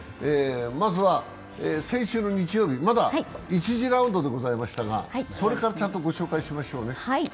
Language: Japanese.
まずは先週の日曜日、まだ１次ラウンドでございましたがそれからちゃんとご紹介しましょうね。